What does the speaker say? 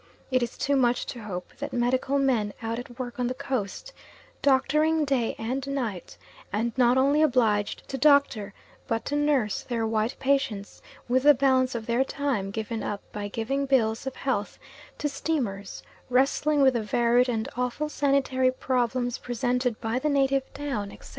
It is too much to hope that medical men out at work on the Coast, doctoring day and night, and not only obliged to doctor, but to nurse their white patients, with the balance of their time taken up by giving bills of health to steamers, wrestling with the varied and awful sanitary problems presented by the native town, etc.